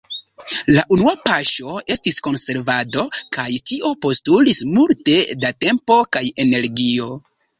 La unua paŝo estis konservado, kaj tio postulis multe da tempo kaj energio.